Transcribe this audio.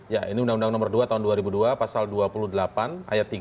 ya ini undang undang nomor dua tahun dua ribu dua pasal dua puluh delapan ayat tiga